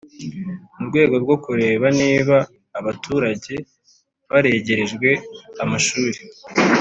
Mu rwego rwo kureba niba abaturage baregerejwe amashuri